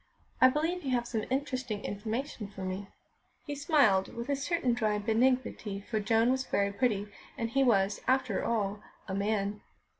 "I believe you have some interesting information for me." He smiled with a certain dry benignity, for Joan was very pretty, and he was, after all, a man.